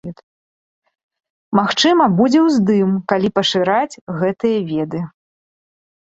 Магчыма будзе ўздым, калі пашыраць гэтыя веды.